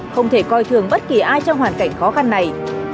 không thể coi thường bất kỳ ai trong hoàn cảnh khó khăn này